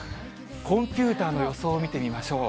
コンピューターの予想を見てみましょう。